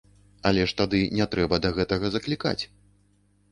Але ж тады не трэба да гэтага заклікаць.